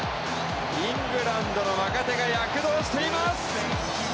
イングランドの若手が躍動しています！